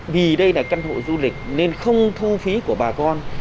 vì đây là căn hộ du lịch nên không thu phí của bà con